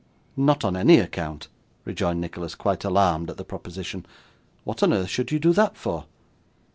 'Not on any account,' rejoined Nicholas, quite alarmed at the proposition. 'What on earth should you do that for?